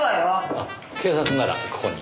あっ警察ならここに。